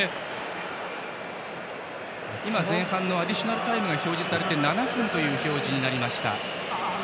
今、前半のアディショナルタイムが表示され７分という表示になりました。